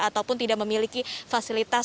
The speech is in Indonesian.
ataupun tidak memiliki fasilitas